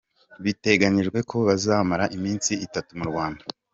Biteganyijwe ko bazamara iminsi itatu mu Rwanda.